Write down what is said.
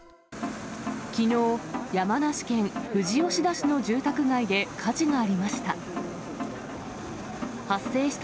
きのう、山梨県富士吉田市の住宅街で火事がありました。